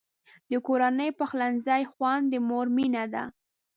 د کورني پخلنځي خوند د مور مینه ده.